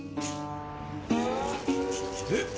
えっ！？